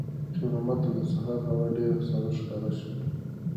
خیر محمد ته د سهار هوا ډېره سړه ښکاره شوه.